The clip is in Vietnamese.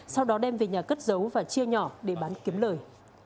sau đó đem về nhà cất giấu và chia nhỏ để bán kiếm lời